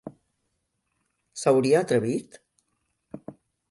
S'hauria atrevit?